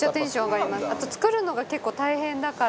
あと、作るのが結構大変だから。